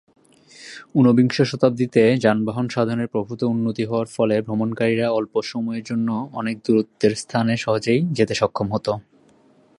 উনবিংশ শতাব্দিতে যানবাহন সাধনের প্রভূত উন্নতি হওয়ার ফলে ভ্রমণকারীরা অল্প সময়ের জন্য অনেক দূরত্বের স্থানে সহজেই যেতে সক্ষম হত।